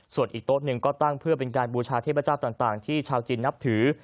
ส่วนอีกโต๊ะหนึ่งก็ตั้งเพื่อเป็นการบูชาเทพเจ้าต่างที่ชาวจีนนับถือ